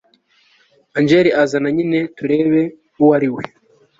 Angel zana nyine turebe uw ariwe